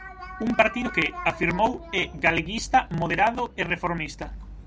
Un partido que, afirmou, é "galeguista", "moderado" e "reformista".